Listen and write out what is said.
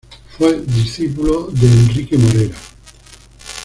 Fue discípulo de Enrique Morera.